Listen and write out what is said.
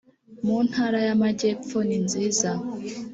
mu ntara y aamajyepfo ninziza